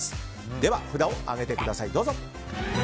では、札を上げてください。